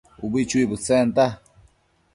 ubi chuibëdtsenta